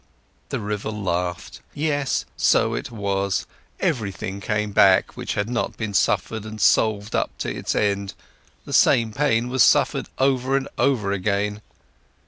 The river laughed. Yes, so it was, everything came back, which had not been suffered and solved up to its end, the same pain was suffered over and over again.